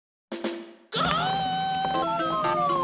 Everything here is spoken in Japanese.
ゴー！